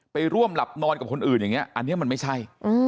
ไปร่วมหลับนอนกับคนอื่นอย่างนี้อันนี้มันไม่ใช่